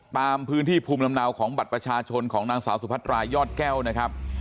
ตามพื้นที่ภูมิลำเนาของบัตรประชาชนของนางสาวสุพัตรายอดแก้วนะครับ